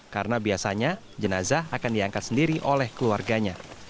karena biasanya jenazah akan diangkat sendiri oleh keluarganya